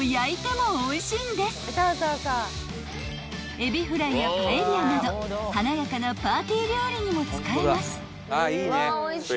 ［海老フライやパエリアなど華やかなパーティー料理にも使えます］